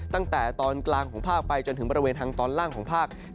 ตั้งแต่ตอนกลางของภาคไปจนถึงบริเวณทางตอนล่างของภาค